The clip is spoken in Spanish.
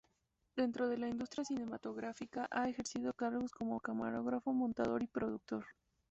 Dentro de la industria cinematográfica ha ejercido cargos como camarógrafo, montador y productor.